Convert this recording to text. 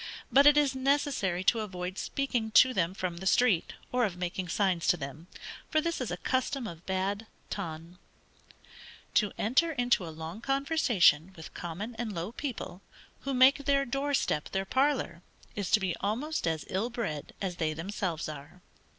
But it is necessary to avoid speaking to them from the street, or of making signs to them, for this is a custom of bad ton. To enter into a long conversation with common and low people, who make their door step their parlor, is to be almost as ill bred as they themselves are.